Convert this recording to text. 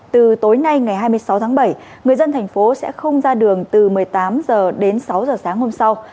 từ tối nay ngày hai mươi sáu tháng bảy người dân thành phố sẽ không ra đường từ một mươi tám h đến sáu h sáng hôm sau